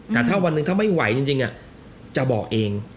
แต่ถ้าวันหนึ่งถ้าไม่ไหวจริงจะบอกเอง